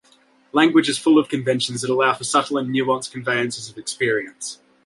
Language is full of conventions that allow for subtle and nuanced conveyances of experience.